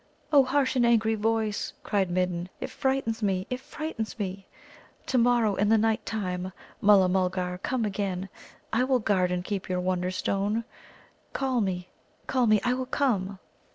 "Oh, harsh and angry voice," cried the Midden, "it frightens me it frightens me. To morrow, in the night time, Mulla mulgar, come again. I will guard and keep your Wonderstone. Call me, call me. I will come."